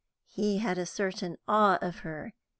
He had a certain awe of her.